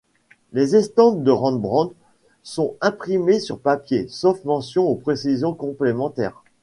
Les estampes de Rembrandt sont imprimées sur papier, sauf mention ou précision complémentaire.